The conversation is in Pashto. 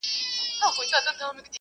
خپل عقل به د ټولني په ابادۍ کي کاروئ.